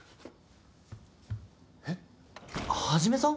・えっ一さん？